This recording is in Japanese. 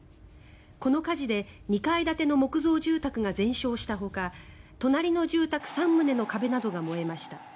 この火事で２階建ての木造住宅が全焼したほか隣の住宅３棟の壁などが燃えました。